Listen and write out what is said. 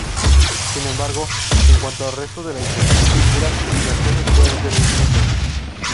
Sin embargo, en cuanto al resto de infraestructura las cosas pueden ser distintas.